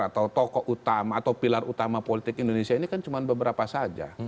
atau tokoh utama atau pilar utama politik indonesia ini kan cuma beberapa saja